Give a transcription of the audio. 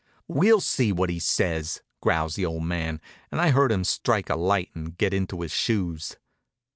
"We'll see what he says," growls the old man, and I heard him strike a light and get into his shoes.